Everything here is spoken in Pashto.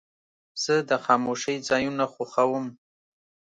زه د خاموشۍ ځایونه خوښوم.